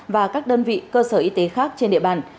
và các đơn vị cơ sở y tế khác trên địa bàn